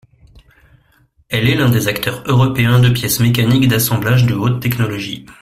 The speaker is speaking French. Elle est l'un des acteurs européens de pièces mécaniques d'assemblage de haute technologie.